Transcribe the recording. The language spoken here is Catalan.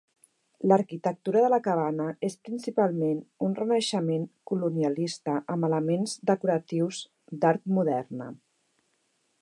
L'arquitectura de la cabana és principalment un renaixement colonialista amb elements decoratius d'Art Moderne.